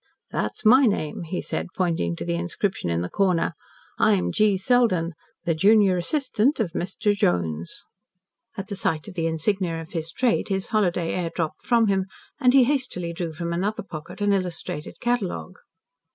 "That's my name," he said, pointing to the inscription in the corner. "I'm G. Selden, the junior assistant of Mr. Jones." At the sight of the insignia of his trade, his holiday air dropped from him, and he hastily drew from another pocket an illustrated catalogue.